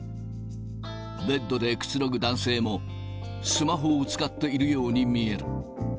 ベッドでくつろぐ男性も、スマホを使っているように見える。